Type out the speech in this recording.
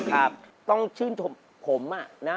ครับต้องชื่นผม